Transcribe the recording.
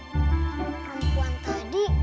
terima kasih ya putri